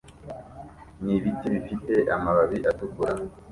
nibiti bifite amababi atukura